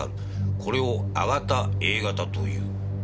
これを「亜型Ａ型」という。